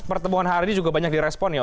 pertemuan hari ini juga banyak direspon ya